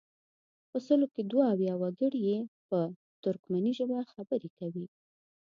په سلو کې دوه اویا وګړي یې په ترکمني ژبه خبرې کوي.